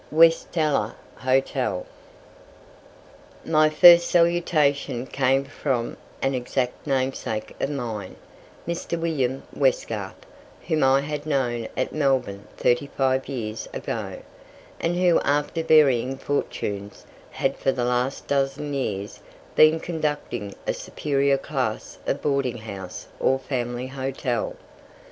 WESTELLA HOTEL. My first salutation came from an exact namesake of mine, Mr. William Westgarth, whom I had known at Melbourne thirty five years ago, and who, after varying fortunes, had for the last dozen years been conducting a superior class of boarding house or family hotel.